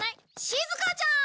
しずかちゃーん！